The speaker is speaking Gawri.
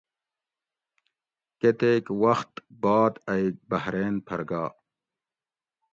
کتیک وخت باد ائ بحرین پھر گا